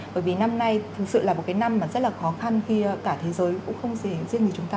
bởi vì năm nay thực sự là một năm rất khó khăn khi cả thế giới cũng không thể riêng người chúng ta